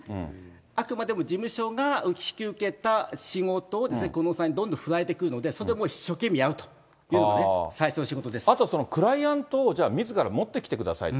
あくまでも事務所が引き受けた仕事をですね、小室さんに振られてくるので、それをそれを一生懸命やるというのあと、クライアントをみずから持ってきてくださいと。